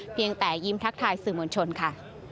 เพียงแต่ยิ้มทักทายสื่อมวลชนค่ะ